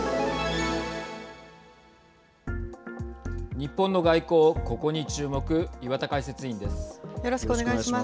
日本の外交、ここに注目岩田解説委員です。